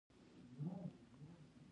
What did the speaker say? په کوټه کې یو نوی دوکان جوړ شوی ده